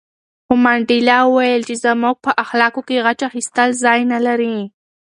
خو منډېلا وویل چې زما په اخلاقو کې غچ اخیستل ځای نه لري.